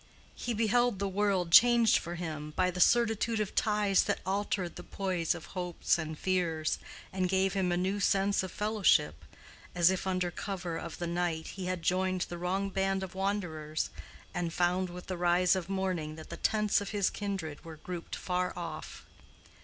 He beheld the world changed for him by the certitude of ties that altered the poise of hopes and fears, and gave him a new sense of fellowship, as if under cover of the night he had joined the wrong band of wanderers, and found with the rise of morning that the tents of his kindred were grouped far off.